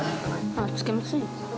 つけませんよ。